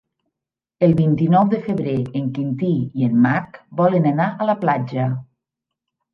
El vint-i-nou de febrer en Quintí i en Marc volen anar a la platja.